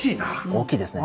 大きいですね。